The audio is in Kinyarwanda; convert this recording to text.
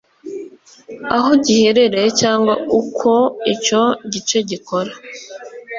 aho giherereye cyangwa uko icyo gice gikora